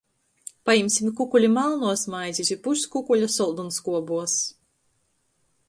Pajimsim kukuli malnuos maizis i puskukuļa soldonskuobuos!